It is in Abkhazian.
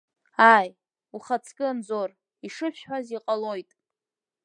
Ааи, ухаҵкы Анзор, ишышәҳәаз иҟалоит!